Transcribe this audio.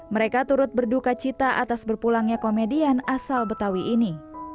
mereka turut berduka cita atas berpulangnya komedian asal betawi ini